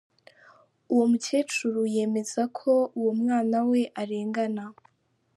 Uwo mukecuru yemeza ko uwo mwana we arengana.